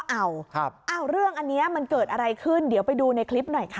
เอาเรื่องอันนี้มันเกิดอะไรขึ้นเดี๋ยวไปดูในคลิปหน่อยค่ะ